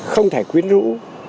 không thể quyến rũ